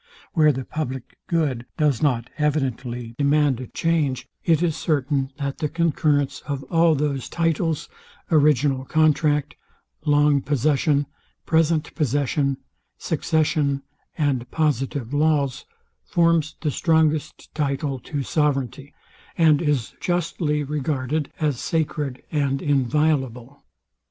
Where the public good does not evidently demand a change; it is certain, that the concurrence of all those titles, original contract, long possession, present possession, succession, and positive laws, forms the strongest title to sovereignty, and is justly regarded as sacred and inviolable.